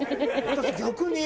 私逆に。